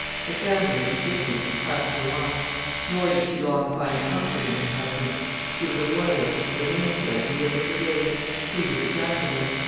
Her family was indignant, and cast her off; nor did she long find comfort in her husband. She was a Royalist, and remained so to the end of her days; he was a Jacobin.